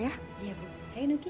pengenoh menongkin duit